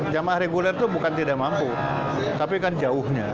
jamaah reguler itu bukan tidak mampu tapi kan jauhnya